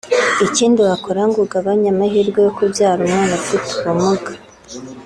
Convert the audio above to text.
Ikindi wakora ngo ugabanye amahirwe yo kubyara umwana ufite ubumuga